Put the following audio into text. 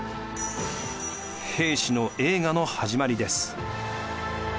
平氏の栄華の始まりです。